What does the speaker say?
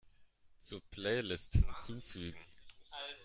Zur Playlist hinzufügen.